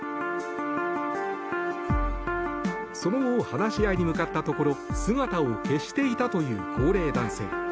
その後話し合いに向かったところ姿を消していたという高齢男性。